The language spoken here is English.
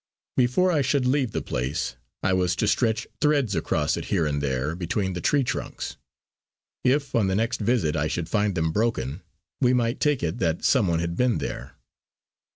Before I should leave the place I was to stretch threads across it here and there between the tree trunks. If on the next visit I should find them broken, we might take it that some one had been there.